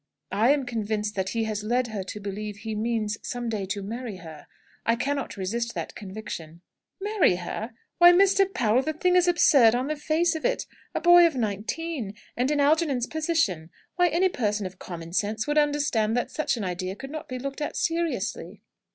"I am convinced that he has led her to believe he means, some day, to marry her. I cannot resist that conviction." "Marry her! Why, Mr. Powell, the thing is absurd on the face of it. A boy of nineteen, and in Algernon's position! why, any person of common sense would understand that such an idea could not be looked at seriously."